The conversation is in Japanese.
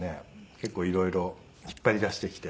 結構色々引っ張り出してきて。